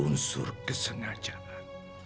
untuk menghasilkan kesengajaan